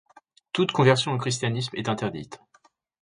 Toute conversion au christianisme est interdite.